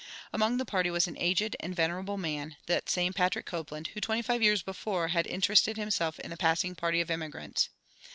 Among the party was an aged and venerable man, that same Patrick Copland who twenty five years before had interested himself in the passing party of emigrants.